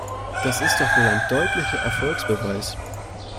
Das ist doch wohl ein deutlicher Erfolgsbeweis.